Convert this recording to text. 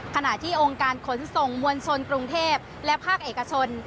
ขณะที่องค์การขนส่งมวลชนกรุงเทพและภาคเอกชน